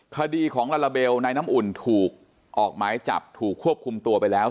คดีของลาลาเบลนายน้ำอุ่นถูกออกหมายจับถูกควบคุมตัวไปแล้ว